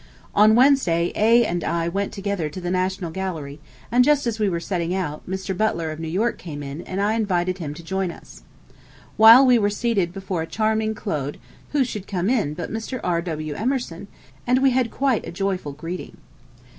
... On Wednesday A. and I went together to the National Gallery, and just as we were setting out Mr. Butler of New York came in and I invited him to join us. ... While we were seated before a charming Claude who should come in but Mr. R. W. Emerson and we had quite a joyful greeting.